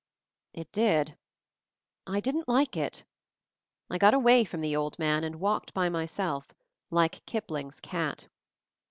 It did. I didn't like it. I got away from the old man, and walked by myself — like Kipling's cat.